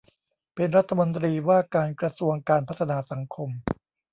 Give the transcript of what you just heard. เป็นรัฐมนตรีว่าการกระทรวงการพัฒนาสังคม